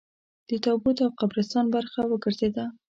د تابوت او قبرستان برخه وګرځېده.